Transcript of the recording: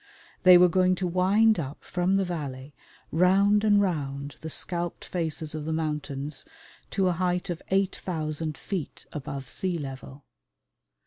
They were going to wind up from the valley round and round the scalped faces of the mountains to a height of 8,000 feet above sea level.